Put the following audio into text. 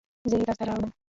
زه یې درته راوړم